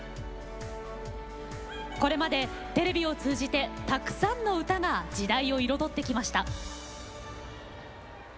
これまで、テレビを通じてたくさんの歌が時代を彩ってきました。